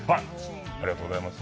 ありがとうございます。